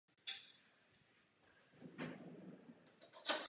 Tým s menším počtem bodů z těchto dvou utkání sestoupil.